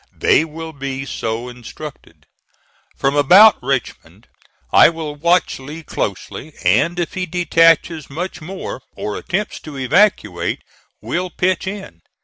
They will be so instructed. From about Richmond I will watch Lee closely, and if he detaches much more, or attempts to evacuate, will pitch in.